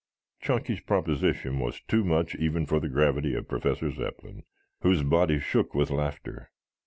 Chunky's proposition was too much even for the gravity of Professor Zepplin, whose body shook with laughter.